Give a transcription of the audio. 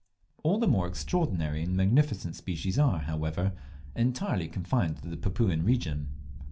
All the more extraordinary and magnificent species are, however, entirely confined to the Papuan region.